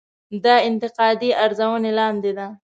دا انتقادي ارزونې لاندې ده.